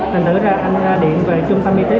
thành thử ra anh ra điện về trung tâm y tế